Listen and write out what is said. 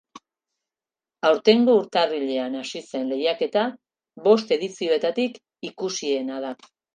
Aurtengo urtarrilean hasi zen lehiaketa bost edizioetatik ikusiena da.